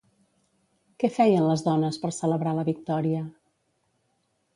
Què feien les dones per celebrar la victòria?